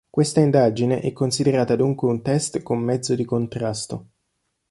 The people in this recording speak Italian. Questa indagine è considerata dunque un test con mezzo di contrasto.